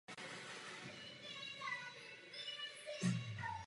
Prezident Gustáv Husák vyhověl její žádosti o milost.